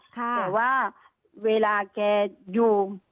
แต่ว่าเวลาแกอยู่